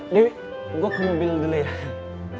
dewi gue ke mobil dulu ya